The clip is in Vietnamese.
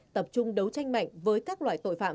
tập trung đấu tranh mạnh với các loại tội phạm